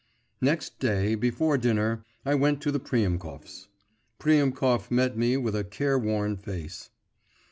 Next day, before dinner, I went to the Priemkovs'. Priemkov met me with a care worn face.